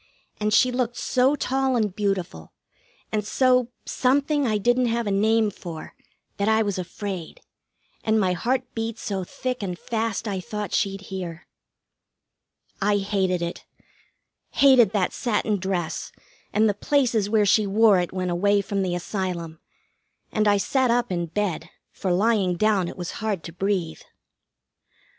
And she looked so tall and beautiful, and so something I didn't have a name for, that I was afraid, and my heart beat so thick and fast I thought she'd hear. I hated it. Hated that satin dress, and the places where she wore it when away from the Asylum; and I sat up in bed, for lying down it was hard to breathe.